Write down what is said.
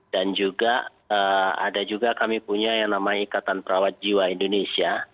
dan juga ada juga kami punya yang namanya ikatan perawat jiwa indonesia